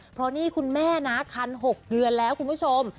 เพราะนี่คุณแม่นะคัน๖เดือนแล้วคุณผู้ชม